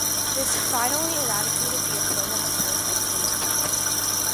This finally eradicated the employment of boys as chimney sweeps.